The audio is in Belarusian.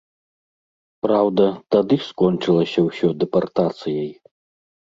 Праўда, тады скончылася ўсё дэпартацыяй.